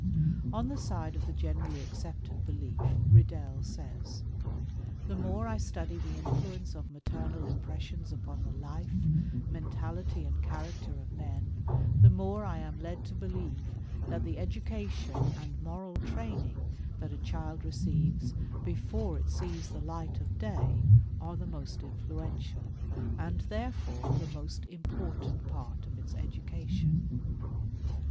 On the side of the generally accepted belief, Riddell says: "The more I study the influence of maternal impressions upon the life, mentality and character of men, the more I am led to believe that the education and moral training that a child receives before it sees the light of day are the most influential, and, therefore, the most important part of its education."